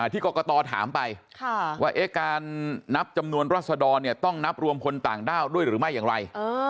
ที่กรกตถามไปว่าการนับจำนวนรัศดรต้องนับรวมคนต่างด้าวด้วยหรือไม่อย่างไร